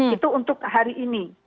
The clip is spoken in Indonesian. itu untuk hari ini